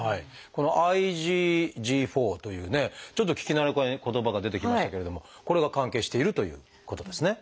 このＩｇＧ４というねちょっと聞き慣れない言葉が出てきましたけれどもこれが関係しているということですね。